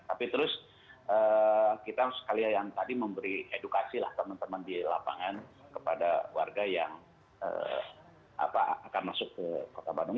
tapi terus kita sekalian yang tadi memberi edukasi lah teman teman di lapangan kepada warga yang akan masuk ke kota bandung